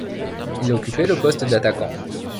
Il occupait le poste d'attaquant.